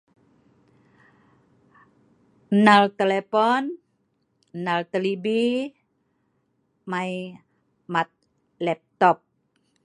Nal telepon nal telebi mai nal liptop.